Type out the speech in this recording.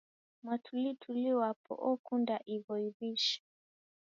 Mwatulituli wapo okunda igho iwi'shi